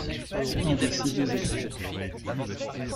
En voici deux exemples.